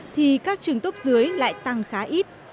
thì các trường tốt dưới lại tăng khá ít